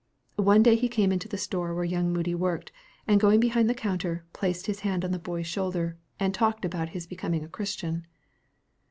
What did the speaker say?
One day he came into the store where young Moody worked, and going behind the counter, placed his hand on the boy's shoulder and talked about his becoming a Christian.